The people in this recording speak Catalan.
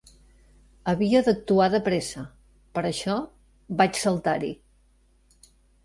Havia d'actuar de pressa, per això vaig saltar-hi.